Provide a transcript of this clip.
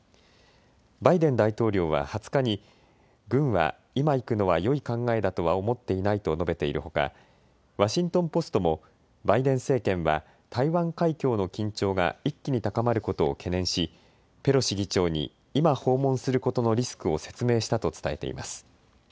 バイデン大統領は２０日に軍は今行くのはよい考えだとは思っていないと述べているほかワシントン・ポストもバイデン政権は台湾海峡の緊張が一気に高まることを懸念しペロシ議長に今訪問することのリスクを説明したと伝えています。